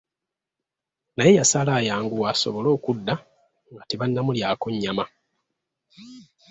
Naye yasala ayanguwa asobole okudda nga tebannamulyako nnyama.